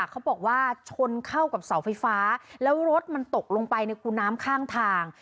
เขาบอกว่าชนเข้ากับเสาไฟฟ้าแล้วรถมันตกลงไปในคูน้ำข้างทาง